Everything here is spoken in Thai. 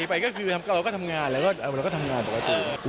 ไปก็คือเราก็ทำงานแล้วก็ทำงานปกติ